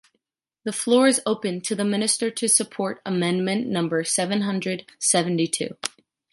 The floor is open to the Minister to support amendment number seven hundred seventy-two.